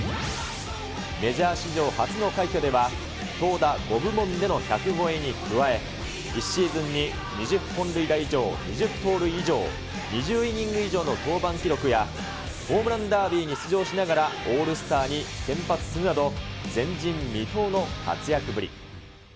メジャー史上初の快挙では投打５部門での１００超えに加え、１シーズンに２０本塁打以上、２０盗塁以上、２０イニング以上の登板記録や、ホームランダービーに出場しながら、オールスターに先発するなど、前人未到の活躍ぶり。